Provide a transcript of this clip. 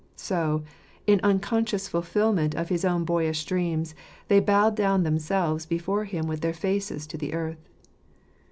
So, in uncon scious fulfilment of his own boyish dream, they bowed down themselves before him with their faces to the earth.